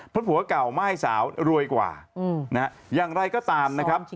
เพราะผัวเก่าม่ายสาวรวยกว่าอย่างไรก็ตามนะครับ